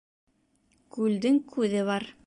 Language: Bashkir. Күлдең күҙе бар